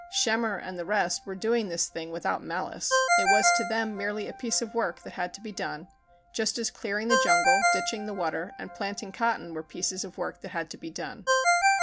Schemmer and the rest were doing this thing without malice. It was to them merely a piece of work that had to be done, just as clearing the jungle, ditching the water, and planting cotton were pieces of work that had to be done.